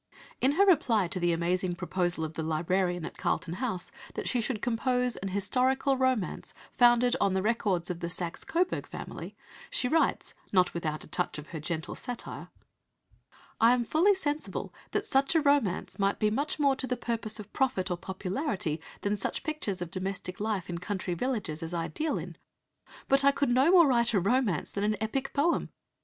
In her reply to the amazing proposal of the librarian at Carlton House that she should compose an historical romance founded on the records of the Saxe Coburg family, she writes, not without a touch of her gentle satire "I am fully sensible that (such a romance) might be much more to the purpose of profit or popularity than such pictures of domestic life in country villages as I deal in. But I could no more write a romance than an epic poem.